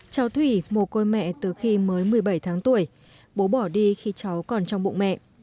cháu thủy một cô mẹ từ khi mới một mươi bảy tháng tuổi bố bỏ đi khi cháu còn trong bụng mẹ